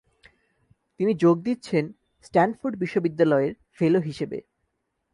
তিনি যোগ দিচ্ছেন স্ট্যানফোর্ড বিশ্ববিদ্যালয়ের ফেলো হিসেবে।